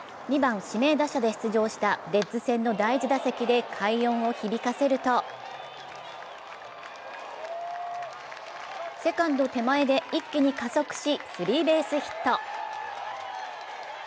２番・指名打者で出場したレッズ戦の第４打席で快音を響かせると、セカンド手前で一気に加速し、スリーベースヒット。